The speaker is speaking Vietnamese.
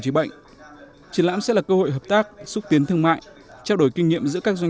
trí bệnh triển lãm sẽ là cơ hội hợp tác xúc tiến thương mại trao đổi kinh nghiệm giữa các doanh